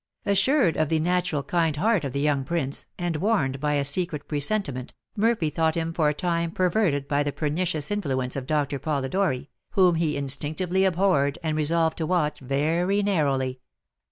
Assured of the natural kind heart of the young prince, and warned by a secret presentiment, Murphy thought him for a time perverted by the pernicious influence of Doctor Polidori, whom he instinctively abhorred, and resolved to watch very narrowly.